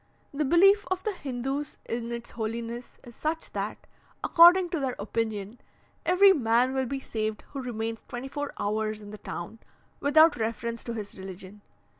The belief of the Hindoos in its holiness is such that, according to their opinion, every man will be saved who remains twenty four hours in the town, without reference to his religion.